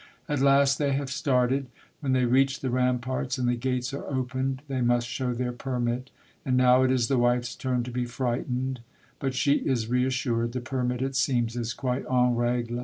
At last they have started. When they reach the ramparts, and the gates are opened, they must show their permit. And now it is the wife's turn to be frightened. But she is re assured. The permit, it seems, is quite en regie.